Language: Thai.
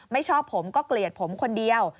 ไม่ชอบผมก็เกลียดผมคนเดียว